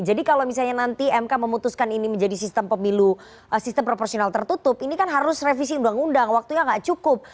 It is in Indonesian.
jadi kalau misalnya nanti mk memutuskan ini menjadi sistem pemilu sistem proporsional tertutup ini kan harus revisi undang undang waktunya nggak cukup